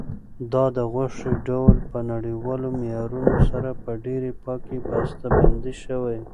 دا د غوښې ډول په نړیوالو معیارونو سره په ډېرې پاکۍ بسته بندي شوی.